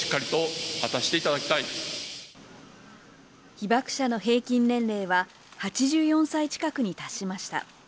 被爆者の平均年齢は８４歳近くに達しました。